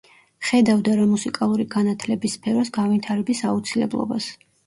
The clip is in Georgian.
ხედავდა რა მუსიკალური განათლების სფეროს განვითარების აუცილებლობას.